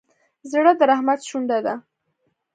زړه د رحمت شونډه ده.